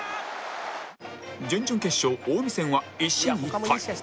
準々決勝近江戦は一進一退